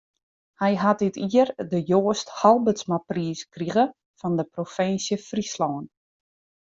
Hy hat dit jier de Joast Halbertsmapriis krige fan de Provinsje Fryslân.